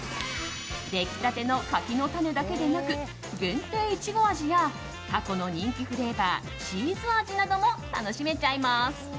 出来たての柿の種だけでなく限定いちご味や過去の人気フレーバーチーズ味なども楽しめちゃいます。